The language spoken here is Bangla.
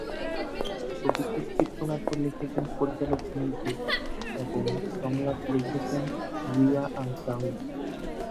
ছবিটির চিত্রনাট্য লিখেছেন পরিচালক নিজে এবং সংলাপ লিখেছেন জিয়া আনসারী।